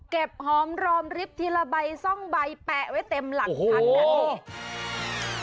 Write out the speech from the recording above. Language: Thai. เก็บหอมรอบลิฟท์ทีละใบซ่องใบแปะไว้เต็มหลังคัน